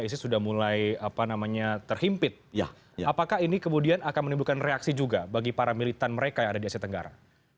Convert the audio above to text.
isis sudah mulai apa namanya terhimpit apakah ini kemudian akan menimbulkan reaksi juga bagi para militan mereka yang ada di asia tenggara